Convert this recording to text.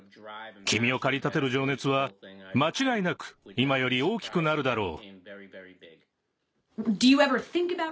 君を駆り立てる情熱は間違いなく今より大きくなるだろう。